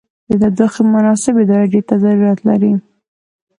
د تودوخې مناسبې درجې ته ضرورت لري.